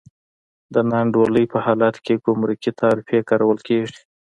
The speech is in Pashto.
د نا انډولۍ په حالت کې ګمرکي تعرفې کارول کېږي.